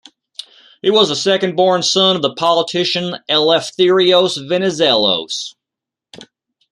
He was the second-born son of the politician Eleftherios Venizelos.